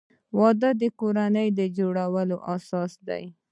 وادۀ د کورنۍ جوړولو اساس دی.